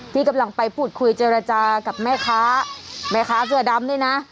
ที่กำลังไปผุดคุยเจรจากับแม่ค้าเสือดำนี่นะ